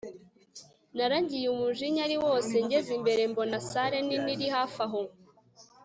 naragiye umujinya ari wose ngeze imbere mbona sale nini iri hafi aho